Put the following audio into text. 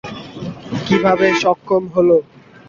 কীভাবে সক্ষম হলো?